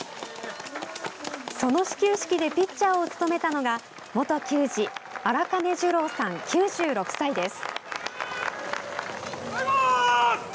その始球式でピッチャーを務めたのが元球児荒金寿郎さん、９６歳です。